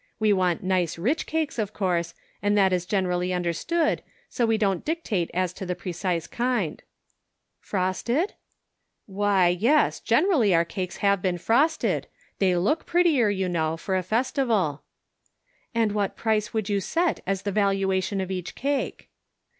We want nice rich cakes, of course, and that is gene rally understood, so we don't dictate as to the precise kind." " Frosted ?" Cake Mathematically Considered. 77 " Why, yes, generally our cakes have been frosted ; they look prettier, you know, for a festival." "And what price would you set as the valuation of each cake